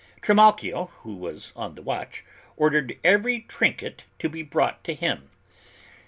Trimalchio, who was on the watch, ordered every trinket to be brought to him.